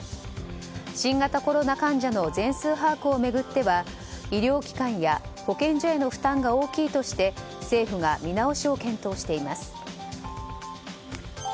新型コロナ患者の全数把握を巡っては医療機関や保健所への負担が大きいとして政府が見直しを検討しています。